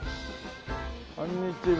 こんにちは。